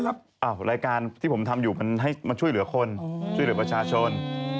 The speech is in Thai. รายการที่ผมทำอยู่มันให้มันช่วยเหลือคนช่วยเหลือประชาชน